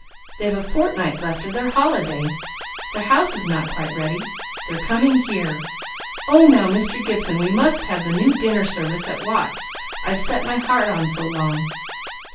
They've a fortnight left of their holiday! Their house is not quite ready; they're coming here. Oh, now, Mr. Gibson, we must have the new dinner service at Watts's I've set my heart on so long!